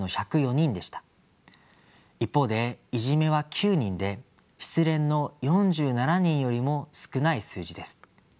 一方で「いじめ」は９人で「失恋」の４７人よりも少ない数字です。